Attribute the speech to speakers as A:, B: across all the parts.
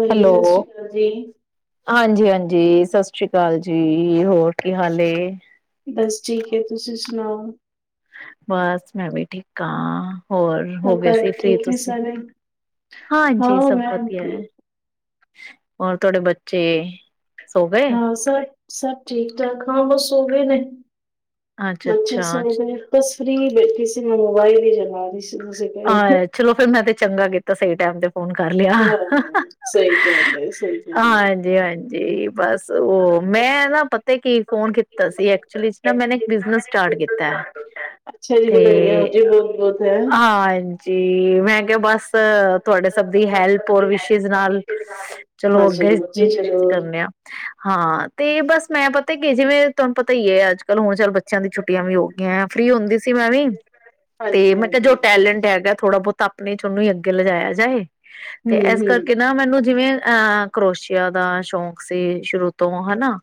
A: ਹਾਂਜੀ
B: ਹੈਲੋ
A: ਸਤਿ ਸ਼੍ਰੀ ਅਕਾਲ ਜੀ
B: ਹਾਂਜੀ ਹਾਂਜੀ ਸਤਿ ਸ਼੍ਰੀ ਅਕਾਲ ਜੀ ਹੋਰ ਕੀ ਹਾਲ ਐ
A: ਬਸ ਠੀਕ ਏ ਜੀ ਤੁਸੀ ਸੁਣਾਔ
B: ਬਸ ਮੈਂ ਵੀ ਠੀਕ ਹਾ ਹੋਰ ਹੋ ਗਏ ਸੀ
A: ਘਰ
B: ਫ੍ਰਰੀ
A: ਠੀਕ ਨੇ
B: ਤੁਸੀਂ,
A: ਸਾਰੇ
B: ਹਾਂਜੀ
A: ਹਾਂ
B: ਸਭ
A: ਮੈਂ
B: ਵਧੀਆ ਹੈ ਹੋਰ ਤੁਹਾਡੇ ਬੱਚਚੇ
A: ਹਾਂ ਸਰ ਸਭ ਠੀਕ ਠਾਕ, ਹਾਂ ਔ ਸੋ ਗਏ ਨੇ
B: ਅੱਛਾ
A: ਬੱਚੇ
B: ਅੱਛਾ
A: ਸੁਣੀ ਦੇ ਬਸ ਫਰੀ ਬੈਠੀ ਸੀ। ਮੈਂ ਮੋਬਾਈਲ ਹੀ ਚਲਾ ਸੀ ਤੁਸੀਂ ਕਹਿ ਲਓ।
B: ਅ, ਚਲੋ ਫਿਰ ਮੈਂ ਤੇ ਚੰਗਾ ਕੀਤਾ ਸਹੀ ਟਾਈਮ ਤੇ ਫੋਨ ਕਰ ਲਿਆ
A: ਹਾਂ ਸਹੀ ਗਲ ਹੈ, ਸਹੀ ਗਲ ਹੈ
B: ਜੇ [inaudible] ਬਸ ਉਹ ਮੈਂ ਨਾ ਪਤੇ ਕੀ ਫੋਨ ਕੀਤੇ ਤਾਂ ਸੀ ਐਕਚੁਲੀ ਚ ਨਾ ਮੈਨੇ ਇੱਕ ਬਿਜਨਸ ਸਟਾਰਟ ਕੀਤਾ ਹੈ। ਤੇ
A: [unintelligible]
B: ਹਾਂਜੀ ਮੈਂ ਕਿਹਾ ਬਸ ਤੁਹਾਡੇ ਸਭ ਦੀ ਹੈਲਪ ਹੋਰ ਵਿਸ਼ਿਸ ਨਾਲ ਚਲੋ
A: ਹਾਂ
B: ਅੱਗੇ
A: ਜ਼ਰੂਰ ਜੀ ਜ਼ਰੂਰ
B: ਕਰਨੇ ਆ ਹਾਂ ਤੇ ਬਸ ਮੈਂ ਪਤਾ ਕਿ ਜਿਵੇਂ ਤੁਹਾਨੂੰ ਪਤਾ ਹੀ ਹੈ ਅੱਜ ਕੱਲ ਹੋੁ ਚੱਲ ਬੱਚਿਆਂ ਦੀ ਛੁੱਟੀਆਂ ਵੀ ਹੋ ਗਈਆਂ ਹੈ, ਫ੍ਰਰੀ ਹੁੰਦੀ ਸੀ ਮੈਂ ਵੀ। ਤੇ
A: ਹਾਂਜੀ
B: ਮੈਂ ਕਿਹਾ
A: ਹਾਂਜੀ
B: ਜੋ
A: ਹੂੰ
B: ਟੈਲੈਂਟ ਹੈਗਾ ਥੋੜ੍ਹਾ ਬਹੁਤ ਆਪਣੇ ਉਹਨੂੰ ਹੀ ਅੱਗੇ ਲਿਜਾਇਆ ਜਾਏ। ਤੇ ਇਸ
A: ਹੂੰ
B: ਕਰਕੇ ਨਾ ਮੈਨੂੰ ਜਿਵੇਂ ਅਹ ਕਰੋਸ਼ੀਆ ਦਾ ਸ਼ੌਂਕ ਸੀ। ਸ਼ੁਰੂ ਤੋਂ ਹਨਾ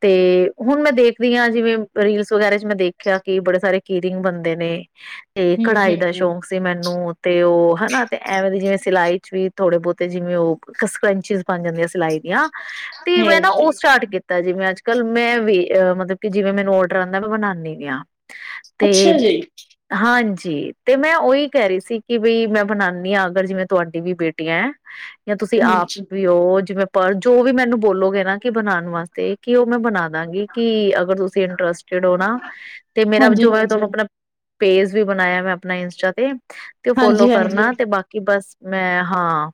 B: ਤੇ ਹੁਣ ਮੈਂ ਦੇਖਦੀ ਹਾਂ ਜਿਵੇਂ ਰੀਲਸ ਵਗੈਰਾ ਚ ਮੈਂ ਦੇਖਿਆ ਕਿ ਬੜੇ ਸਾਰੇ ਕੀਰਿੰਗ ਬਣਦੇ ਨੇ। ਤੇ ਕਢਾਈ
A: ਹੂੰ
B: ਦਾ
A: ਹੂੰ
B: ਸ਼ੌਕ ਨੂੰ ਤੇ ਉਹ ਹਨਾ ਤੇ ਐਵੇਂ ਦੀ ਜਿਵੇਂ ਸਿਲਾਈ ਵੀ ਥੋੜੇ ਬਹੁਤੇ ਜਿਵੇਂ ਉਹ ਸਕਰੰਚਿਸ ਬਣ ਜਾਂਦੀ ਸਿਲਾਈ ਤੇ ਮੈਂ ਨਾ ਉਹ
A: ਹਾਂਜੀ
B: ਸਟਾਰਟ ਕੀਤਾ ਜਿਵੇਂ ਅੱਜ, ਕੱਲ ਮੈਂ ਵੀ ਅਹ ਮਤਲਬ ਕਿ ਜਿਵੇਂ ਮੈਨੂੰ ਔਡਰ ਆਉਂਦਾ ਮੈਂ ਬਣਾਉਂਦੀ ਵੀ ਹਾਂ। ਤੇ
A: ਅੱਛਾ ਜੀ
B: ਹਾਂਜੀ ਜੀ ਤੇ ਮੈਂ ਉਹੀ ਕਹਿ ਰਹੀ ਸੀ ਕਿ ਬਈ ਮੈਂ ਬਣਾਉਦੀ ਹਾਂ ਅਗਰ ਜਿਵੇਂ ਤੁਹਾਡੀ ਵੀ ਬੇਟੀਆਂ ਹੈ। ਜਾਂ ਤੁਸੀਂ ਆਪ
A: ਹਾਂਜੀ
B: ਵੀਓ ਜਿਵੇਂ ਪਰ ਜੋ ਵੀ ਮੈਨੂੰ ਬੋਲੋਗੇ ਨਾ ਕਿ ਬਣਾਣਾ ਵਾਸਤੇ ਕਿ ਉਹ ਮੈਂ ਬਣਾ ਦਾਂਗੀ ਕਿ ਅਗਰ ਤੁਸੀਂ ਇੰਟਰਸਟਡ ਹੋ ਨਾ ਤੇ ਮੇਰਾ
A: ਹਾਂਜੀ
B: ਜੋ ਮੈਂ
A: ਹਾਂਜੀ
B: ਤੁਹਾਨੂੰ ਆਪਣਾ ਪੇਜ ਵੀ ਬਣਾਇਆ ਮੈਂ ਆਪਣਾ ਇੰਸਟਾ ਤੇ। ਤੇ ਉਹ ਫੋਲੋ
A: ਹਾਂਜੀ ਹਾਂਜੀ
B: ਕਰਨਾ ਤੇ ਬਾਕੀ ਬਸ ਮੈਂ ਹਾਂ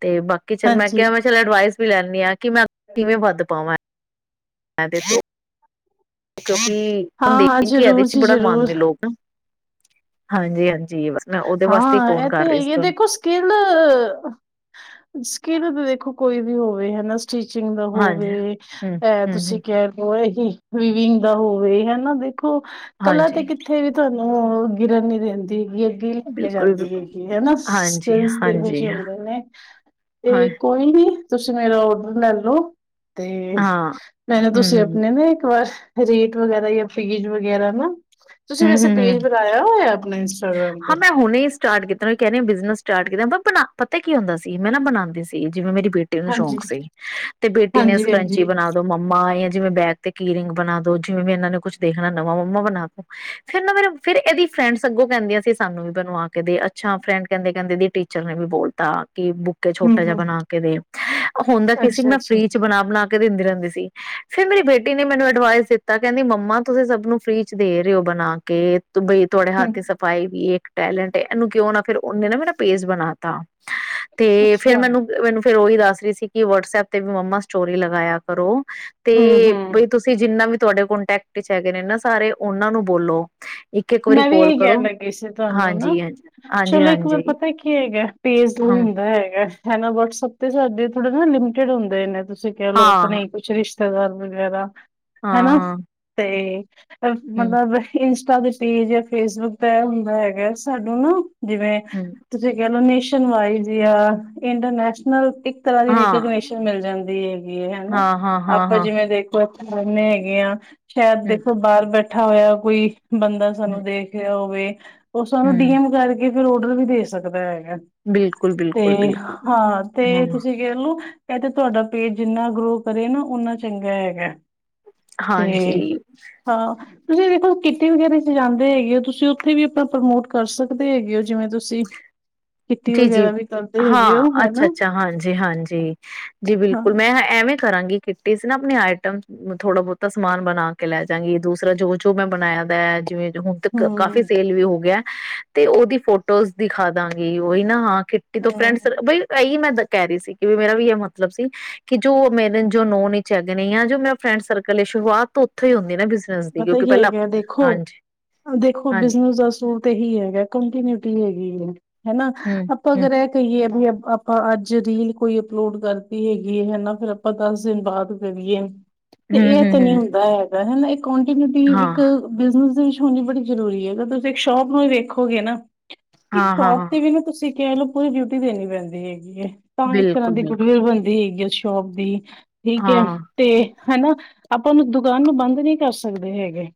B: ਤੇ ਬਾਕੀ ਚ ਮੈਂ
A: ਹਾਂਜੀ
B: ਕਿਹਾ ਮੈਂ ਚਲ ਐਡਵਾਈਸ ਵੀ ਲੈਂਦੀ ਆ ਕਿ ਮੈਂ ਕਿਵੇਂ ਵੱਧ ਪਾਵਾਂ [unintelligible] ਕਿਉਂਕਿ ਹੁਣ
A: ਹਾਂ ਹਾਂ
B: ਦੇਖ ਕੇ ਇਹਦੇ
A: ਜ਼ਰੂਰ
B: ਚ
A: ਜੀ
B: ਬੜਾ
A: ਜ਼ਰੂਰ
B: ਮਨਦੇ ਲੋਕ ਹਾਂਜੀ ਹਾਂਜੀ ਬਸ ਮੈਂ ਉਹਦੇ ਵਾਸਤੇ
A: ਹਾਂ
B: ਫੋਨ
A: ਇਹ ਤਾਂ
B: ਕਰ
A: ਹੈ
B: ਰਹੀ ਸੀ
A: ਯ
B: ਤੁਹਾਨੂੰ
A: ਦੇਖੋ ਸਕਿੱਲ ਸਕਿੱਲ ਦੇਖੋ ਕੋਈ ਵੀ ਹੋਵੇ ਹਨਾ ਟੀਚਿੰਗ ਦਾ
B: ਹਾਂਜੀ।
A: ਹੋਵੇ
B: ਹੂੰ,
A: ਇਹ ਤੁਸੀਂ
B: ਹੂੰ-ਹੂੰ।
A: ਕਹਿ ਲਓ ਵਿਵਿੰਗ ਦਾ ਹੋਵੇ ਹਨਾ ਦੇ ਦੇਖੋ ਕਲਾ ਤੇ
B: ਹਾਂਜੀ,
A: ਕਿੱਥੇ ਵੀ ਸਾਨੂੰ ਗਿਰਨ ਨੀ ਦਿੰਦੀ ਜਾਂਦੀ
B: ਬਿਲਕੁਲ-ਬਿਲਕੁਲ,
A: ਹੈਗੀ ਹਨਾ ਸਕਿੱਲ ਇਹੋ
B: ਹਾਂਜੀ-ਹਾਂਜੀ,
A: ਜਿਹੇ
B: ਹਾਂ,
A: ਹੁੰਦੇ ਨੇ ਤੇ ਕੋਈ ਨੀ ਤੁਸੀਂ ਮੇਰਾ ਓਡਰ ਲੈਲੋ ਤੇ
B: ਹਾਂ।
A: ਮੈ ਨਾ ਤੁਸੀਂ
B: ਹੂੰ-ਹੂੰ,
A: ਆਪਣੇ ਨਾ ਇੱਕ ਵਾਰ ਰੇਟ ਵਗੈਰਾ ਜਾਂ ਫੀਜ਼ ਵਗੈਰਾ ਨਾ ਤੁਸੀਂ ਵੈਸੇ ਪੇਜ
B: ਹੂੰ-ਹੂੰ-ਹੂੰ।
A: ਬਣਾਇਆ ਹੋਇਆ [unintelligible] ਸਇੰਸਟਾਗ੍ਰਾਮ
B: ਹਾਂ
A: ਤੇ
B: ਮੈਂ ਹੁਣੇ ਹੀ ਸਟਾਰਟ ਕੀਤਾ ਕਹਿ ਰ ਬਿਜਨਸ ਸਟਾਰਟ ਕੀਤਾ ਬ ਪਤਾ ਕੀ ਹੁੰਦਾ ਸੀ ਮੈਂ ਨਾ ਬਣਾਉਂਦੀ ਸੀ ਜਿਵੇਂ ਮੇਰੀ ਬੇਟੀ ਨੂੰ
A: ਹਾਂਜੀ
B: ਸ਼ੌਂਕ ਸੀ ਤੇ ਬੇਟੀ ਨੇ
A: ਹਾਂਜੀ ਹਾਂਜੀ
B: ਸਕਰੰਚੀ ਬਣਾ ਦੋ ਮੰਮਾ ਯਾ ਜਿਵੇਂ ਬੈਗ ਤੇ ਕੀ ਰਿੰਗ ਬਣਾ ਦੋ ਜਿਵੇਂ ਮ ਇਹਨਾਂ ਨੇ ਕੁੱਛ ਦੇਖਣਾ ਨਵਾਂ ਮੰਮਾ ਬਣਾ ਦੋ ਫੇਰ ਨਾ ਮੇਰਾ ਫ਼ਿਰ ਇਹਦੀ ਫਰੈਂਡਸ ਅੱਗੋਂ ਕਹਿੰਦੀਆਂ ਸੀ ਸਾਨੂੰ ਵੀ ਬਣਵਾ ਕੇ ਦੇ ਅੱਛਾ ਫਰੈਂਡ ਕਹਿੰਦੇ-ਕਹਿੰਦੇ ਏਹਦੀ ਟੀਚਰ ਨੇ ਵੀ ਬੋਲਤਾ ਕਿ ਬੁੱਕੇ
A: ਹਮ
B: ਛੋਟਾ ਜਿਹਾ
A: ਹਮ
B: ਬਣਾ ਕੇ ਦੇ, ਹੁੰਦਾ ਕੀ ਸੀ
A: ਅੱਛਾ
B: ਮੈਂ
A: ਅੱਛਾ
B: ਫ੍ਰਰੀ ਚ ਬਣਾ ਬਣਾ ਕੇ ਦਿੰਦੀ ਰਹਿੰਦੀ- ਸੀ ਫਿਰ ਮੇਰੀ ਬੇਟੀ ਨੇ ਮੈਨੂੰ ਅਡਵਾਈਸ ਦਿੱਤਾ ਕਹਿੰਦੀ ਮੰਮਾ ਤੁਸੀਂ ਸਭ ਨੂੰ ਫ੍ਰੀ ਚ ਦੇ ਰਹੇ ਹੋ ਬਣਾ ਕੇ ਤ ਬਈ ਤੁਹਾਡੇ ਹੱਥ
A: ਹਮ
B: ਦੀ ਸਫਾਈ ਇੱਕ ਟੈਲੈਂਟ ਏ ਇਹਨੂੰ ਕਿਉਂ ਨਾ ਫਿਰ ਉਹਨੇ ਨਾ ਮੇਰਾ ਪੇਜ ਬਣਾ ਤਾ ਤੇ ਫੇਰ
A: ਅੱਛਾ
B: ਮੈਨੂੰ, ਮੈਨੂੰ ਫੇਰ ਉਹੀ ਦੱਸ ਰਹੀ ਸੀ ਕਿ ਵਟਸਐਪ ਤੇ ਵੀ ਮੰਮਾ ਸਟੋਰੀ ਲਗਾਇਆ ਕਰੋ। ਤੇ
A: ਹੂੰ-ਹੂੰ,
B: ਬਈ ਤੁਸੀਂ ਜਿੰਨਾ ਵੀ ਤੁਹਾਡੇ ਕੋਂਟੈਕਟ ਚ ਹੈਗੇ ਨੇ ਨਾ ਸਾਰੇ ਉਹਨਾਂ ਨੂੰ ਬੋਲੋ ਇੱਕ ਇੱਕ ਵਾਰੀ
A: ਮੈਂ ਵੀ
B: ਕੋਲ
A: ਇਹੀ ਕਹਿਣ
B: ਕਰੋ
A: ਲੱਗੀ ਸੀ। ਤੁਹਾਨੂੰ ਨਾ
B: ਹਾਂਜੀ ਹਾਂਜੀ ਹਾਂਜੀ
A: ਚਲੋ ਇੱਕ ਵਾਰ
B: ਹਾਂਜੀ
A: ਪਤਾ ਕੀ ਹੈਗਾ ਤੇਜ਼
B: ਹਾਂ
A: ਹੁੰਦਾ ਹੈਗਾ ਹੇਨਾ ਵੱਟਸਐਪ ਤੇ ਸਾਡੇ ਥੋੜਾ ਨਾ ਲਿਮਿਟਿਡ ਹੁੰਦੇ ਨੇਂ ਤੁਸੀਂ ਕਹਿ ਲਓ
B: ਹਾਂ
A: ਆਪਣੇ ਕੁਛ ਰਿਸ਼ਤ ਰਿਸ਼ਤੇਦਾਰ ਵਗੈਰਾ
B: ਹਾਂ
A: ਹੇਨਾ
B: ਹਾਂ
A: ਤੇ [inaudible]
B: ਹਮ
A: ਮਤਲਬ ਇਨਸ [unintelligible] ਪੇਜ ਯਾ ਫੇਸਬੁੱਕ ਦਾ ਏਹ ਹੁੰਦਾ ਹੈਗਾ ਸਾਨੂੰ ਨਾ ਜਿਵੇਂ
B: ਹਮ
A: ਤੁਸੀ ਕਿਹ ਲੋ [unintelligible] ਆ ਇੰਟਰਨੈਸ਼ਨਲ ਇੱਕ ਤਰ੍ਹਾਂ ਦੀ
B: ਹਾਂ
A: ਰਿਕੋਗਨਸ਼ਨ ਮਿਲ ਜਾਂਦੀ ਹੈਗੀ ਹੈ ਹਨਾ
B: ਹਾਂ, ਹਾਂ, ਹਾਂ,
A: ਆਪਾਂ
B: ਹਾਂ,
A: ਜਿਵੇਂ ਦੇਖੋ ਰਹਿੰਦੇ ਹੈਗੇ ਆ ਸ਼ਾਇਦ
B: ਹੂੰ,
A: ਦੇਖੋ ਬਾਹਰ ਬੈਠੇ ਬੈਠਾ ਹੋਇਆ ਕੋਈ ਬੰਦ
B: ਹੂੰ,
A: ਸਾਨੂੰ ਦੇਖਿਆ ਉਹ ਹੋਏ ਉਹ ਸਾਨੂੰ
B: ਹੂੰ,
A: ਡੀਐਮ ਕਰਕੇ ਫੇਰ ਔਡਰ ਵੀ ਦੇ ਸਕਦਾ ਹੈ।
B: ਬਿਲਕੁਲ,
A: ਤੇ
B: ਬਿਲਕੁਲ, ਬਿਲਕੁਲ।
A: ਹਾਂ ਤੇ
B: ਹੂੰ,
A: ਤੁਸੀਂ ਕਹਿਲਓ ਏ ਤੇ ਤੁਹਾਡਾ ਪੇਜ ਜਿੰਨਾ ਗਰੋ ਕਰੇ ਨਾ ਓਨਾ ਚੰਗਾ ਹੈਗਾ। ਤੇ
B: ਹਾਂਜੀ,
A: ਹਾਂ ਤੁਸੀਂ ਵੇਖੋ ਕਿੱਟੀ ਵੇਗਾਰਾ ਚ ਜਾਂਦੇ ਹੈਗੇ ਹੋ ਤੁਸੀਂ ਉੱਥੇ ਵੀ ਆਪਣਾ ਪ੍ਰਮੋਟ ਕਰ ਸਕਦੇ ਹੈਗੇ ਹੋ ਜਿਵੇਂ ਤੁਸੀਂ ਕਿੱਟੀ
B: ਜੀ ਜੀ
A: ਵਗੈਰਾ ਵੀ ਕਰਦੇ ਹੈਗੇ ਹੋ
B: ਹਾਂ
A: ਹਨਾ
B: ਅੱਛਾ ਅੱਛਾ ਹਾਂਜੀ ਹਾਂਜੀ ਜੀ
A: ਹਾਂ
B: ਬਿਲਕੁਲ ਮੈਂ ਐਵੇਂ ਕਰਾਂਗੀ ਕਿੱਟੀ ਚ ਨਾ ਆਪਣੀ ਆਈਟਮ ਥੋੜਾ ਬਹੁਤਾ ਸਮਾਨ ਬਣਾ ਕੇ ਲੈ ਜਾਂਗੀ ਦੂਸਰਾ ਜੋ ਜੋ ਮੈਂ ਬਣਾਇਆ ਪਿਆ ਹੈ ਜਿਵੇਂ ਹੁਣ ਤ ਕਾਫ਼ੀ
A: ਹਮ
B: ਸੇਲ ਵੀ ਹੋ ਗਿਆ ਤੇ ਉਹਦੀ ਫੋਟੋਜ਼ ਦਿਖਾ ਦਾਂ ਉਹੀ ਨਾ ਹਾਂ ਕਿੱਟੀ ਤੋਂ
A: ਹਮ
B: ਫਰੈਂਡ ਬ ਇਈ ਮੈਂ ਕਹਿ ਰਹੀ ਸੀ ਕਿ ਮੇਰਾ ਵੀ ਇਹ ਮਤਲਬ ਸੀ ਕਿ ਜੋ ਮੇਰੇ ਜੋ ਨੋਨ ਚ ਹੈਗੇ ਨੇ ਜਾਂ ਜੋ ਮੇਰਾ ਫਰੈਂਡ ਸਰਕਲ ਸ਼ੁਰੂਆਤ ਤੋਂ ਉੱਥੋਂ ਹੀ ਹੁੰਦੀ ਏ ਨਾ ਬਿਜਨਸ ਦੀ
A: ਪਤਾ
B: ਕਿਉਂਕਿ
A: ਹੀ
B: ਪਹਿਲਾਂ
A: ਹੈਗਾ ਦੇਖੋ
B: ਹਾਂਜੀ
A: ਦੇਖੋ
B: ਹਾਂਜੀ
A: ਬਿਜਨਸ ਦਾ ਸਰੂਤ ਇਹੀ ਹੈਗਾ ਕੰਟੀਨਿਊਟੀ ਹੈਗੀ ਹੈ ਹੈਨਾ
B: ਹਮ
A: ਆਪਾਂ
B: ਹਮ
A: ਅਗਰ ਇਹ ਕਹੀਏ [unintelligible] ਆਪਾਂ ਅੱਜ ਰੀਲ ਕੋਈ ਅਪਲੋਡ ਕਰਦੀ ਹੈਗੀ ਹੈ ਹੈਨਾ ਫਿਰ ਆਪਾਂ ਦੱਸ ਦਿਨ ਬਾਅਦ ਕਰਈਏ ਤੇ
B: ਹਮ
A: ਇਹ ਤੇ
B: ਹਮ
A: ਨਹੀਂ
B: ਹਮ
A: ਹੁੰਦਾ ਹੈ ਮ ਨਾ [unintelligible] [unintelligible]
B: ਹਾਂ
A: ਇਕ ਬਿਜਨਿਸ ਦੇ ਵਿੱਚ ਹੋਣੀ ਬੜੀ ਜ਼ਰੂਰੀ ਹੈ ਅਗਰ ਤੁਸੀਂ ਇੱਕ ਸ਼ੋਪ ਨੂੰ ਹੀ ਵੇਖੋਗੇ ਨਾ ਇੱਕ
B: ਹਾਂ ਹਾਂ
A: ਸ਼ੋਪ
B: ਹਾਂ
A: ਤੇ ਵੀ ਨਾ ਤੁਸੀਂ ਕਹਿ ਲਓ ਪੂਰੀ ਡਿਊਟੀ ਦੇਣੀ ਪੈਂਦੀ ਹੈ [unintelligible] ਤਾਂ ਇੱਕ ਤਰ੍ਹਾਂ
B: ਬਿਲਕੁਲ
A: ਦੀ
B: ਬਿਲਕੁਲ
A: ਕੁਠਵਲ ਬਣਦੀ ਹੈਗੀ ਹੈ ਸ਼ੋਪ ਦੀ ਠੀਕ ਹੈ
B: ਹਾਂ
A: ਤੇ ਹੈਨਾ ਆਪਾਂ ਦੁਕਾਨ ਨੂੰ ਬੰਦ ਨੀ ਕਰ ਸਕਦੇ ਹੈਗੇ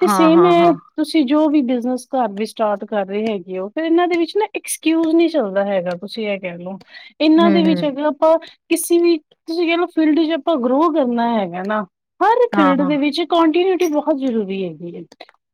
A: ਤੇ
B: ਹਾਂ
A: ਸੇਮ
B: ਹਾਂ
A: ਹੈ
B: ਹਾਂ
A: ਤੁਸੀਂ ਜੋ ਵੀ ਬਿਜਨਸ ਘਰ ਵੀ ਸਟਾਰਟ ਕਰ ਰਹੇ ਹੈਗੇ ਉਹ ਫਿਰ ਇਹਨਾਂ ਦੇ ਵਿੱਚ ਨਾ ਐਕਸਕਿਊਜ ਨਹੀਂ ਚੱਲਦਾ ਹੈਗਾ ਤੁਸੀਂ ਇਹ ਕਹਿ ਲਓ ਇਹਨਾਂ ਦੇ
B: ਹਮ
A: ਵਿੱਚ
B: ਹਮ
A: ਹੈਗਾ ਆਪਾਂ ਕਿਸੇ ਵੀ ਤੁਸੀਂ ਕਹਿ ਲਓ ਫੀਲਡ ਚ ਆਪਾਂ ਗਰੋ ਕਰਨਾ ਹੈਗਾ ਨਾ ਹਰ
B: ਹਾਂ
A: ਫੀਲਡ
B: ਹਾਂ
A: ਦੇ ਵਿੱਚ ਕੰਟੀਨਿਊਟੀ ਬਹੁਤ ਜ਼ਰੂਰੀ ਹੈ ਵੀ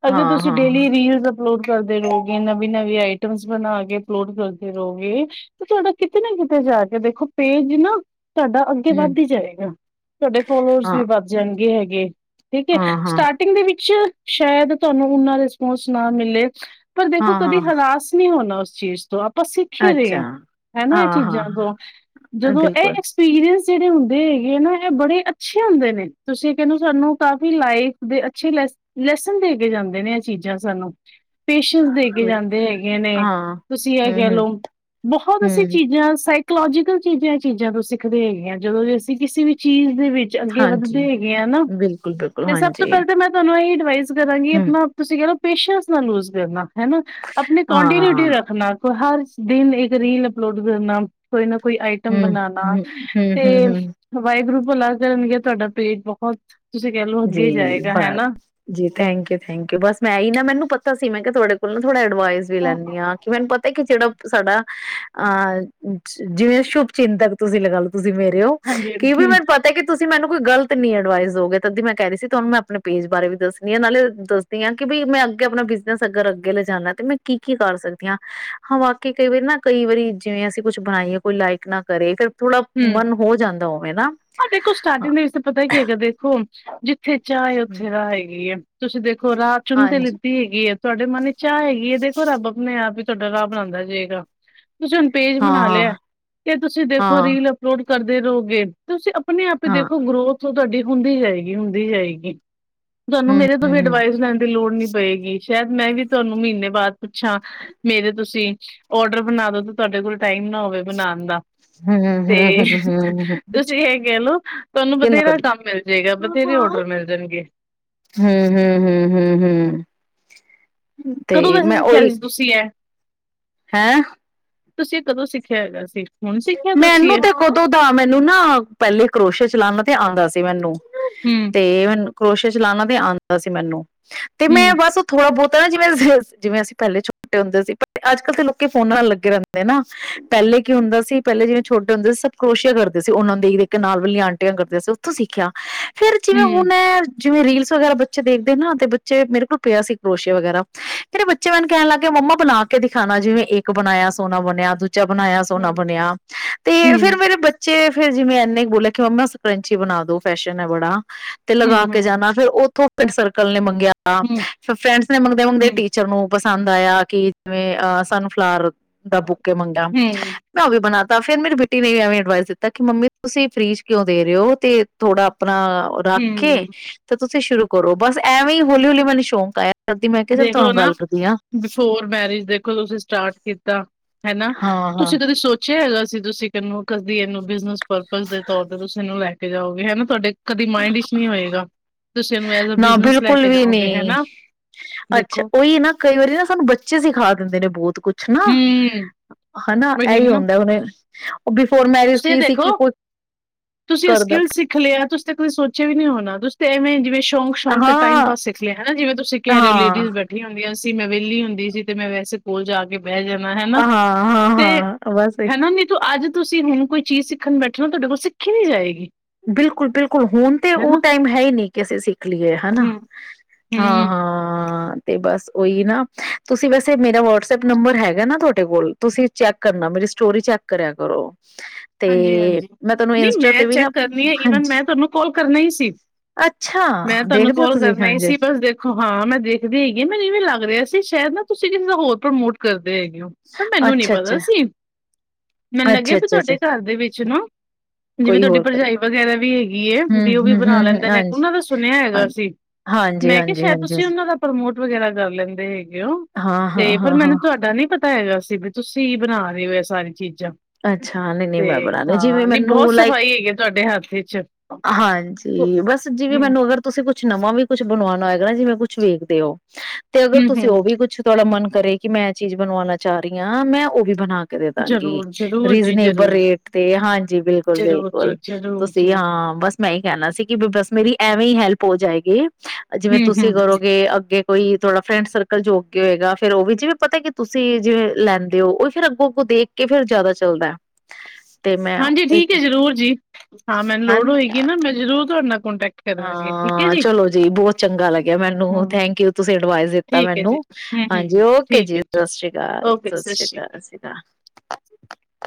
A: ਅਗਰ
B: ਹਾਂ
A: ਤੁਸੀਂ
B: ਹਾਂ ਹਾਂ
A: ਡੇਲੀ ਰੀਲ ਅਪਲੋਡ ਕਰਦੇ ਰਹੋਗੇ ਨਵੀਂ ਨਵੀਂ ਆਈਟਮ ਬਣਾ ਕੇ ਅਪਲੋਡ ਕਰਦੇ ਰਹੋਗੇ ਤੇ ਤੁਹਾਡਾ ਕਿਤੇ ਨਾ ਕਿਤੇ ਜਾ ਕੇ ਦੇਖੋ ਪੇਜ ਨਾ ਤੁਹਾਡਾ ਅੱਗੇ
B: ਹਮ
A: ਵੱਧ ਹੀ ਜਾਏਗਾ ਤੁਹਾਡੇ ਫੋਲੋਅਰਸ
B: ਹਾਂ
A: ਵੀ ਵੱਧ ਜਾਣਗੇ ਹੈਗੇ ਜ [unintelligible] ਠੀਕ ਹੈ
B: ਹਾਂ ਹਾਂ
A: ਸਟਾਰਟਿੰਗ ਦੇ ਵਿੱਚ ਸ਼ਾਇਦ ਤੁਹਾਨੂੰ ਉਨਾਂ ਰਿਸਪੋਂਸ ਨਾ ਮਿਲੇ ਪਰ ਦੇਖੋ
B: ਹਾਂ
A: ਕਦੇ
B: ਹਾਂ
A: ਹਰਾਸ ਨਹੀਂ ਹੋਣਾ ਉਸ ਚੀਜ਼ ਆਪ ਆਪਾਂ ਸਿੱਖੇ ਰਹੇ
B: ਅੱਛਾ
A: ਹਾਂ, ਹਨਾ ਇਹ
B: ਹਾਂ
A: ਚੀਜ਼ਾਂ ਤੋਂ,
B: ਹਾਂ
A: ਜਦੋਂ ਇਹ
B: ਬਿਲਕੁਲ
A: ਐਕਸਪੀਰੀਅੰਸ ਜਿਹੜੇ ਹੁੰਦੇ ਹੈਗੇ ਆ ਨਾ ਇਹ ਬੜੇ ਅੱਛੇ ਹੁੰਦੇ ਨੇ, ਤੁਸੀਂ ਕਹਿ ਸਾਨੂੰ ਕਾਫੀ ਲਾਈਫ ਦੇ ਅੱਛੇ ਲੈ ਲੈਸਨ ਦੇ ਕੇ ਜਾਂਦੇ ਨੇ ਇਹ ਚੀਜ਼ਾਂ ਸਾਨੂੰ ਪੇਸ਼ੈਂਸ ਦੇ ਕੇ
B: ਬਿਲਕੁਲ
A: ਜਾਂਦੇ ਹੈਗੇ ਨੇ,
B: ਹਾਂ
A: ਤੁਸੀਂ ਇਹ
B: ਹਮ
A: ਕਹਿ
B: ਹਮ
A: ਲਓ ਬਹੁਤ ਅਸੀਂ
B: ਹਮ
A: ਚੀਜ਼ਾਂ ਸ ਲੋਜੀਕਲ ਚੀਜ਼ਾਂ- ਚੀਜ਼ਾਂ ਤੋਂ ਸਿੱਖਦੇ ਹੈਗੇ ਆ ਜਦੋਂ ਜ ਅਸੀਂ ਕਿਸੇ ਵੀ ਚੀਜ਼ ਦੇ ਵਿੱਚ ਅੱਗੇ ਵੱਧਦੇ ਹੈਗੇ ਆ ਨਾ
B: ਬਿਲਕੁਲ, ਬਿਲਕੁਲ, ਹਾਂਜੀ
A: ਇਹ ਐਡਵਾ ਕਰਾਂਗੀ
B: ਹੂੰ,
A: ਆਪਣਾ ਤੁਸੀਂ ਕਹਿ ਲੋ ਪੇਸ਼ੈਂਸ ਨਾਲ ਲੂਜ ਕਰਨਾ। ਹਨਾ, ਆਪਣੀ ਕੋਂਟੀਨਿਊਟੀ
B: ਹਾਂ।
A: ਰੱਖਣਾ ਕੋ ਹਰ ਦਿਨ ਇੱਕ ਰੀਲ ਅਪਲੋਡ ਕਰਨਾ ਕੋਈ ਨਾ ਕੋਈ ਆਈਟਮ ਬਣਾਣਾ, ਤੇ
B: ਹੂੰ-ਹੂੰ-ਹੂੰ-ਹੂੰ-ਹੂੰ,
A: ਵਾਹਿਗੁਰੂ ਬੁਲਾ ਕਰਨਣਗੇ ਤੁਹਾਡਾ ਪੇਟ ਬਹੁਤ ਤੁਸੀਂ ਕਹਿ ਲਓ ਅੱਗੇ
B: ਜੀ,
A: ਜਾਏਗਾ
B: ਬਸ
A: ਹਨਾ।
B: ਜੀ, ਥੈਂਕ ਯੂ ਥੈਂਕ ਯੂ ਬਸ ਮੈਂ ਹੀ ਨਾ ਮੈਨੂੰ ਪਤਾ ਸੀ ਮੈਂ ਕਿਹਾ ਤੁਹਾਡੇ [unintelligible] ਡਵਾ ਵੀ ਲੈਂਦੀ ਹਾਂ, ਕਿ ਮੈਨੂੰ ਪਤਾ ਕਿ ਜਿਹੜਾ ਸਾਡਾ, ਅਹ। ਜਿਵੇਂ ਸ਼ੁਭ ਚਿੰਤਕ ਤੁਸੀਂ ਲਗਾ ਲੈ ਤੁਸੀਂ ਮੇਰੇ ਹੋ,
A: ਹਾਂਜੀ
B: ਕੀ ਵੀ
A: ਹੂੰ
B: ਮੈਨੂੰ ਪਤਾ ਕਿ ਤੁਸੀਂ ਮੈਨੂੰ ਕੋਈ ਗਲਤ ਨੀ ਐਡਵਾਈਸ ਦੋਗੇ ਦੀ ਮੈਂ ਕਹਿ ਰਹੀ ਸੀ ਤੁਹਾਨੂੰ ਮੈਂ ਆਪਣੇ ਪੇਜ ਬਾਰੇ ਵੀ ਦੱਸਦੀ ਆਾਂ ਨਾਲੇ ਦੱਸਦੀ ਹਾਂ ਕਿ ਬ ਮੈਂ ਅੱਗੇ ਆਪਣਾ ਬਿਜਨਸ ਅਗਰ ਅੱਗੇ ਲਿਜਾਨਣਾ ਤੇ ਮੈਂ ਕੀ -ਕੀ ਕਰ ਸਕਦੀ। ਹਾਂ ਵਕ ਕਈ ਵਾਰੀ ਨਾ ਕਈ ਵਾਰੀ ਜਿਵੇਂ ਅਸੀਂ ਕੁਛ ਬਣਾਈਏ ਕੋਈ ਲਾਈਕ ਨਾ ਕਰੇ ਫੇਰ
A: ਹਮ। ਆਹ ਦੇਖੋ ਸਟਾਰਟਿੰਗ ਦੇ ਵਿੱਚ ਤਾਂ ਪਤਾ ਕੀ ਹੈਗਾ ਦੇਖੋ ਜਿੱ ਥੇ ਚਾਹ ਉੱਥੇ ਦਾ ਹੈਗੀ ਏ। ਤੁਸੀਂ ਦੇਖੋ ਖਰ। ਬ ਚੁੰਣ ਤੇ
B: ਹਾਂਜੀ
A: ਲਗੀ ਹੈਗੀ ਹੈ ਤੁਹਾਡੇ ਮਨ ਚਾਹ ਹੈਗੀ ਇਹ ਦੇਖੋ ਰੱਬ ਆਪਣੇ ਆਪ ਤੁਹਾਡਾ ਰਾਹ ਬਣਾਉਂਦਾ ਜਾਏਗਾ। ਤੁਸੀਂ ਹੁਣ ਪੇਜ ਬਣਾ ਲਿਆ
B: ਹਾਂ
A: ਤੇ ਤੁਸੀਂ ਦੇਖੋ ਉਹ
B: ਹਾਂ
A: ਰੀਲ ਅਪਲੋਡ ਕਰਦੇ ਰਹੋਗੇ ਤੁਸੀਂ ਆਪ ਹੀ
B: ਹਾਂ
A: ਦੇਖੋ ਗਰੋਥ ਹੋ ਤੁਹਾਡੀ ਹੁੰਦੀ ਜਾਏਗੀ ਹੁੰਦੀ ਜਾਏਗੀ ਤੁਹਾਨੂੰ
B: ਹਮ
A: ਮੇਰੇ ਤੋਂ ਵੀ
B: ਹਮ
A: ਅਡਵਾਈਸ ਲੈਣ ਦੀ ਲੋੜ ਨੀ ਪਏਗੀ ਸ਼ਾਇਦ ਮੈਂ ਵੀ ਤੁਹਾਨੂੰ ਮਹੀਨੇ ਬਾਅਦ ਪੁੱਛਾਂ ਮੇਰੇ ਤੁਸੀਂ ਓਡਰ ਬਣਾਦੋ ਤੁਹਾਡੇ ਕੋਲ ਟਾਈਮ ਨਾ ਹੋਵੇ ਬਣਾਨ ਦਾ
B: ਹ ਹ ਹ ਹ
A: ਤੇ
B: ਹ
A: ਤੁਸੀਂ ਇਹ ਕਹਿ ਲਓ ਤੁਹਾਨੂੰ ਬਥੇਰਾ ਕੰਮ ਮਿਲ ਜਾਏਗਾ ਬਥੇਰੇ ਔਡਰ ਮਿਲ ਜਾਣਗੇ
B: ਹ ਹ ਹ ਤੇ
A: ਕਦੋਂ ਵੈਸੇ
B: ਮੈਂ
A: ਸਿੱਖਿਆ
B: ਓਹੀ
A: ਸੀ ਤੁਸੀਂ ਇਹ
B: ਹੈਂ
A: ਤੁਸੀਂ ਇਹ ਕਦੋਂ ਸਿੱਖਿਆ ਹੈਗਾ ਸੀ ਹੁਣ ਸਿੱਖਿਆ ਤੁਸੀਂ
B: ਮੈਨੂੰ
A: ਇਹ
B: ਤੇ ਕਦੋਂ ਦਾ ਮੈਨੂੰ ਨਾ ਪਹਿਲੇ ਕਰੋਸ਼ੇ ਚਲਾਨਾਂ ਆਉਂਦਾ ਸੀ ਮੈਨੂੰ
A: ਹਮ
B: ਤੇ ਉਹਨੂੰ ਕਰੋਸ਼ਿਆ ਚਲਾਣਾ ਤੇ ਆਉਂਦਾ ਸੀ ਮੈਨੂੰ ਤੇ ਮੈਂ
A: ਹਮ
B: ਬਸ ਥੋੜਾ ਬਹੁਤ ਪਤਾ ਨਾ ਜਿਵੇਂ ਜਿਵੇਂ ਅਸੀਂ ਪਹਿਲੇ ਛੋਟੇ ਹੁੰਦੇ ਸੀ ਪਰ ਅੱਜ ਕੱਲ੍ਹ ਤਾਂ ਲੋਕ ਫੋਨ ਨਾਲ ਲੱਗੇ ਰਹਿੰਦੇ ਨਾ ਪਹਿਲੇ ਕੀ ਹੁੰਦਾ ਸੀ ਪਹਿਲੇ ਜਿਵੇਂ ਛੋਟੇ ਹੁੰਦੇ ਸੀ ਸਭ ਕਰੋਸ਼ਿਆ ਕਰ ਸੀ ਉਹਨਾਂ ਨੂੰ ਦੇਖ ਕੇ ਨਾਲ ਵਾਲੀਆਂ ਆਂਟੀਆਂ ਕਰਦੇ ਸੀ ਉੱਥੋਂ ਸਿੱਖਿਆ ਫੇਰ ਜਿਵੇਂ ਹੁਣ
A: ਹਮ
B: ਮੈ ਜਿਵੇਂ ਰੀਲਸ ਵਗੈਰਾ ਬੱਚੇ ਦੇਖਦੇ ਨਾ ਤੇ ਬੱਚੇ ਮੇਰੇ ਕੋਲ ਪਿਆ ਸੀ ਕਰੋਸ਼ਿਆ ਵਗੈਰਾ, ਫੇਰ ਬੱਚੇ ਮੈਨੂੰ ਕਹਿਣ ਲੱਗ ਪਏ ਮੰਮਾ ਬਣਾ ਕੇ ਦਿਖਾਣਾ ਜਿਵੇਂ ਇੱਕ ਬਣਾਇਆ ਸੋਹਨਾ ਬਣਿਆ ਦੂ ਦੂਜਾ ਬਣਾਇਆ ਸੋਹਣਾ ਬ
A: ਹਮ
B: ਬਣਿਆ ਤੇ ਫਿਰ
A: ਹਮ
B: ਮੇਰੇ ਬੱਚੇ ਫੇਰ ਜਿਵੇਂ ਇੰਨੇ ਬੋਲਿਆ ਕਿ ਮੰਮਾ [unintelligible] ਬਣਾ ਦੋ ਫੈਸ਼ਨ ਹੈ ਬੜਾ। ਤੇ ਲਗਾ
A: ਹਮ
B: ਕੇ
A: ਹਮ
B: ਜਾਣਾ, ਫੇਰ ਉੱਥੋਂ ਪਿੰਡ ਸਰਕਲ ਨੇ ਮੰਗ ਗਿਆ
A: ਹਮ
B: ਫਿਰ ਫਰੈਂਡਸ ਨੇ ਮੰਗਦੇ-ਮੰਗਦੇ
A: ਹੂੰ,
B: ਟੀਚਰ ਨੂੰ ਪਸੰਦ ਆਇਆ ਕਿ ਜਿਵੇਂ ਆਹ ਸਾਨੂੰ ਫਲਾਰ ਦਾ ਬੁਕੇ ਮੰਗਿਆ।
A: ਹੂੰ,
B: ਬਣਾ ਤਾ ਫਿਰ ਮੇਰੀ ਬੇਟੀ ਨੇ ਵੀ ਐਵੇਂ ਅਡਵਾਈਸ ਦਿੱਤਾ ਕਿ ਮੰਮੀ ਤੁਸੀਂ ਫਰੀ ਚ ਕਿਉਂ ਦੇ ਰਹੇ ਹੋ ਤੇ ਥੋੜ੍ਹਾ ਆਪ ਰੱਖ ਕੇ
A: ਹੂੰ
B: ਤੇ ਤੁਸੀਂ ਸ਼ੁਰੂ ਕਰੋ ਬਸ ਐਵੇ ਹੀ ਹੌਲੀ-ਹੌਲੀ ਮੈਨੂੰ ਸ਼ੌਕ ਆਇਆ। ਕਰਦੀ ਮੈਂ ਕਿਹਾ ਚੱਲ
A: ਦੇਖਲੋ
B: ਤੁਹਾਨੂੰ
A: ਨਾ,
B: ਗੱਲ ਕਰਦੀ ਆ
A: ਬਿਫੋਰ ਮੈਰਿਜ ਦੇਖੋ ਤੁਸੀਂ ਸਟਾਰਟ ਕੀਤਾ। ਤਾਂ ਹਨਾ,
B: ਹਾਂ ਹਾਂ
A: ਤੁਸੀਂ ਕਦੇ ਸੋਚਿਆ ਹੈਗਾ ਸੀਂ ਤੁਸੀਂ ਇਹਨੂੰ ਕਦੀ ਇਹਨੂੰ ਬਿਜ਼ਨਸ ਪਰਪਜ਼ ਦੇ ਤੌਰ ਤੇ ਤੁਸੀਂ ਇਹਨੂੰ ਲੈ ਕੇ ਜਾਓਗੇ ਹਨਾ। ਤੁਹਾਡੇ ਕਦੇ ਮਾਇੰਡ ਵਿੱਚ ਨਹੀਂ ਹੋਏਗਾ, ਤੁਸੀਂ ਇਹਨੂੰ ਐਜ ਆ
B: ਨਾ
A: ਬਿਜਨਸ ਲੈ
B: ਬਿਲਕੁਲ
A: ਕੇ
B: ਵੀ
A: ਜਾਓਗੇ,
B: ਨਹੀਂ
A: ਹਨਾ।
B: ਅੱਛਾ,
A: ਦੇਖੋ
B: ਉਹੀ ਨਾ ਕਈ ਵਾਰੀ ਨਾ ਸਾਨੂੰ ਬੱਚੇ ਸਿਖਾ ਦਿੰਦੇ ਨੇ ਬਹੁਤ ਕੁੱਛ ਨਾ
A: ਹੂੰ
B: ਹਨਾ,
A: ਉਹੀ
B: ਇਹ ਵੀ
A: ਨਾ
B: ਹੁੰਦਾ ਹੈ ਹੁਣੇ ਬਿਫੋਰ ਮੈਰਿਜ
A: ਤੁਸੀਂ ਇਹ
B: ਕੀ ਸੀ
A: ਦੇਖੋ
B: ਕਿ ਕੁੱਛ,
A: ਤੁਸੀਂ ਇਹ
B: ਕਰਦਾ
A: ਸਕਿੱਲ ਸਿੱਖ ਲਿਆ ਤੁਸੀਂ ਸੋਚਿਆ ਵੀ ਨਹੀਂ ਹੋਣਾ ਤੁਸੀ ਤਾ ਐਵੇਂ ਜਿਵੇ ਸ਼ੌਂਕ-ਸ਼ੌਕ ਤੇ ਟਾਈਮ
B: ਹਾਂ
A: ਪਾਸ ਸਿੱਖ ਲਿਆ, ਹਨਾ ਜਿਵੇ ਤੁਸੀਂ ਕਿਹ ਰਹੇ ਹੋ
B: ਹਾਂ
A: ਲੇਡੀਜ਼ ਬੈਠੀਆ ਹੁੰਦੀਆਂ ਸੀ। ਮੈਂ ਵਿਹਲੀ ਹੁੰਦੀ ਸੀ ਤੇ ਮੈਂ ਵੈਸੇ ਕੋਲ ਜਾ ਕੇ ਬਹਿ ਜਾਣਾ, ਹਨਾ ਤੇ
B: ਹਾਂ-ਹਾਂ-ਹਾਂ ਬਸ
A: ਹਨਾ ਨੀਤੂ ਅੱਜ ਤੁਸੀਂ ਹੁਣ ਕੋਈ ਚੀਜ਼ ਸਿੱਖਣ ਬੈਠੋ ਨਾ ਤੁਹਾਡੇ ਕੋਲ ਸਿੱਖੀ ਨੀ ਜਾਏਗੀ।
B: ਬਿਲਕੁਲ-ਬਿਲਕੁਲ, ਹੁਣ ਤੇ ਉਹ
A: ਹਨਾ
B: ਟਾਈਮ ਹੈ ਹੀ ਨਹੀਂ ਕਿ ਅਸੀਂ ਸਿੱਖ ਲਈਏ ਹਨਾ
A: ਹੂੰ ਹੂੰ
B: ਹਾਂ-ਹਾਂ ਤੇ ਬਸ ਓਹੀ ਨਾ, ਤੁਸੀਂ ਵੈਸੇ ਮੇਰਾ ਵਟਸਐਪ ਨੰਬਰ ਹੈਗਾ ਨਾ ਤੁਹਾਡੇ ਕੋਲ, ਤੁਸੀਂ ਚੈੱਕ ਕਰਨਾ ਮੇਰੀ ਸਟੋਰੀ ਚੈੱਕ ਕਰਿਆ ਕਰੋ ਤੇ
A: ਹਾਂਜੀ ਹਾਂਜੀ
B: ਮੈਂ ਤੁਹਾਨੂੰ
A: ਨਹੀਂ
B: ਇੰਸਟਾ
A: ਮੈਂ
B: ਤੇ ਵੀ ਨਾ
A: ਚੈੱਕ ਈਵਨ
B: ਹਾਂਜੀ
A: ਮੈਂ ਤੁਹਾਨੂੰ ਕਾਲ ਕਰਨਾ ਹੀ ਸੀ
B: ਅੱਛਾ
A: ਮੈਂ ਤੁਹਾਨੂੰ
B: ਦੇਖਦੇ ਹੋ
A: ਕਾਲ
B: ਤੁਸੀਂ
A: ਕਰਨਾ ਹੀ
B: ਹਾਂਜੀ
A: ਸੀ ਬਸ ਦੇਖੋ ਹਾਂ ਮੈਂ ਦੇਖਦੀ ਸੀਗੀ ਮੈਂ ਇਹ ਵੀ ਲੱਗ ਰਿਹਾ ਸੀ ਨਾ ਤੁਸੀਂ ਹੋਰ ਪ੍ਰਮੋਟ ਕਰ ਹੈਗੇ ਹੋ ਪਰ ਮੈਨੂੰ ਨੀ
B: ਅੱਛਾ-ਅੱਛਾ,
A: ਪਤਾ ਸੀ ਮੈਨੂੰ ਲੱਗਿਆ ਵੀ
B: ਅੱਛਾ-ਅੱਛਾ-ਅੱਛਾ
A: ਤੁਹਾਡੇ ਘਰ ਦੇ ਵਿੱਚ ਨਾ ਜਿਵੇਂ
B: ਕੋਈ
A: ਤੁਹਾਡੀ
B: ਹੋਰ
A: ਭਰਜਾਈ
B: ਕਰਦੇ
A: ਵਧੀਆ ਵੀ ਹੈਗੀ ਹ ਵੀ ਉਹ ਵੀ ਬਣਾ
B: ਹੂੰ-ਹੂੰ-ਹੂੰ-ਹੂੰ
A: ਲੈਂਦੇ ਨੇ
B: ਹਾਂਜੀ-ਹਾਂਜੀ,
A: ਉਹਨਾਂ ਦਾ ਸੁਣਿਆ ਹੈਗਾ ਸੀ ਮੈਂ ਕਿਹਾ ਸ਼ਾਇਦ ਤੁਸੀਂ
B: ਹਾਂਜੀ-ਹਾਂਜੀ-ਹਾਂਜੀ-ਹਾਂਜੀ
A: ਉਹਨਾਂ ਦਾ ਪ੍ਰਮੋਟ ਵਗੈਰਾ ਕਰ ਲੈਂਦੇ ਸੀਗੇ ਕਿਉਂ ਤੇ ਪਰ ਮੈਨੂੰ
B: ਹਾਂ-ਹਾਂ-ਹਾਂ-ਹਾਂ
A: ਤੁਹਾਡਾ ਨਹੀਂ ਅਸੀਂ ਵੀ ਤੁਸੀਂ ਬਣਾ ਰਹੇ ਹੋ ਸਾਰੀ ਚੀਜ਼
B: ਅੱਛਾ ਨ
A: ਤੇ ਹਾਂ ਨੀ ਬਹੁਤ ਸਫ਼ਾਈ ਹੈਗੀ ਤੁਹਾਡੇ ਹੱਥ ਚ
B: ਹਾਂਜੀ ਬਸ ਜਿਵੇਂ
A: ਹੂੰ
B: ਮੈਨੂੰ ਅਗਰ ਤੁਸੀਂ ਕੁਛ ਨਵਾਂ ਵੀ ਕੁਛ ਬਣਵਾਣਾ ਹੋਏਗਾ ਨਾ ਜਿਵੇਂ ਕੁਛ ਵੇਖਦੇ ਹੋ ਤੇ ਅਗਰ
A: ਹੂੰ
B: ਤੁਸੀਂ ਉਹ
A: ਹੂੰ
B: ਵੀ ਕੁਛ ਥਹਾਡਾ ਮਨ ਕਰੇ ਕਿ ਮੈਂ ਚੀਜ਼ ਬਣਵਾਉਣਾ ਚਾਹ ਰਹੀ ਹਾਂ ਮੈਂ ਉਹ ਵੀ ਬਣਾ ਕੇ ਦੇ ਦਾਂਗੀ
A: ਜ਼ਰੂਰ ਜ਼ਰੂਰ ਜੀ
B: ਰੀਜਨੇਬਲ
A: ਜ਼ਰੂਰ।
B: ਰੇਟ ਤੇ ਹਾਂਜੀ ਬਿਲਕੁਲ
A: ਜ਼ਰੂਰ
B: ਬਿਲਕੁਲ
A: ਜੀ ਜ਼ਰੂਰ
B: ਤੁਸੀਂ
A: ਜੀ
B: ਹਾਂ ਕਹਿਣਾ ਸੀ ਕਿ ਵੀ ਬਸ ਮੇਰੀ ਐਵੇਂ ਹੀ ਹੈਲਪ ਹੋ ਜਾਏਗੀ ਜਿਵੇਂ
A: ਹੂੰ ਹੂੰ
B: ਤੁਸੀਂ
A: ਹੂੰ
B: ਕਰੋਗੇ ਅੱਗੇ ਕੋਈ ਥੋਡਾ ਫਰੈਂਡ ਸਰਕਲ ਜੋ ਕੇ ਹੋਏਗਾ ਫੇਿਰ ਉਹ ਵੀ ਜਿਵੇਂ ਪਤਾ ਕਿ ਤੁਸੀਂ ਜਿਵੇਂ ਲੈਂਦੇ ਹੋ ਉਹ ਫਰ ਅੱਗੋਂ ਅੱਗੋਂ ਦੇਖ ਕੇ ਫਿਰ ਜ਼ਿਆਦਾ ਚਲਦਾ
A: ਹਾਂਜੀ ਠੀਕ ਹੈ ਜ਼ਰੂਰ ਜੀ ਹਾਂ ਮੈਨੂੰ ਲੋੜ
B: ਹਨਾ
A: ਹੋਏਗੀ ਨਾ ਮੈਂ ਜ਼ਰੂਰ ਤੁਹਾਡੇ ਕੋੋਂਟੈਕਟ
B: ਹਾਂ ਚਲੋ ਜੀ ਬਹੁਤ ਚੰਗਾ ਲੱਗਿਆ ਮੈਨੂੰ
A: ਹੂੰ
B: ਥੈਂਕ ਯੂ ਤੁਸੀਂ ਅਡਵਾਈਸ ਦਿੱਤਾ
A: ਠੀਕ ਹੈ
B: ਮੈਨੂੰ
A: ਜੀ ਹੂੰ
B: ਹਾਂਜੀ
A: ਹੂੰ
B: ਓਕੇ
A: ਠੀਕ
B: ਜੀ
A: ਹੈ
B: ਸਤਿ ਸ੍ਰੀ ਅਕਾਲ ਸਤਿ ਸ੍ਰੀ ਅਕਾਲ ਸਤ੍ਰੀ ਅਕਾਲ